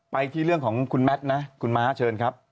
ไปที่เรื่องของคุณแมทนะคุณม้าเชิญครับ